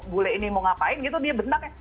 bule ini mau ngapain dia bentaknya